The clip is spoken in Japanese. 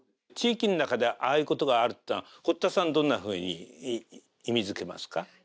地域の中でああいうことがあるっていうのは堀田さんどんなふうに意味付けますか？